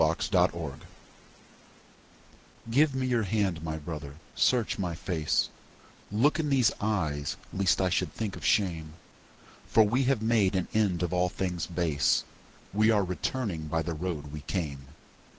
To My Brother GIVE me your hand, my brother, search my face; Look in these eyes lest I should think of shame; For we have made an end of all things base. We are returning by the road we came.